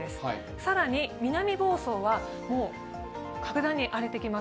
更に南房総はもう格段に荒れてきます。